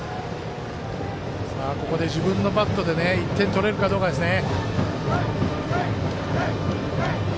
ここで自分のバットで１点取れるかどうかですね。